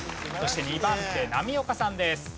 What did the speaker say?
そして２番手波岡さんです。